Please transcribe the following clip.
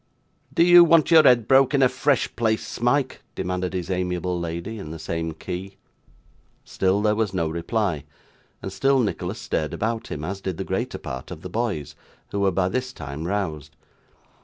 'Do you want your head broke in a fresh place, Smike?' demanded his amiable lady in the same key. Still there was no reply, and still Nicholas stared about him, as did the greater part of the boys, who were by this time roused.